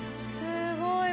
「すごい。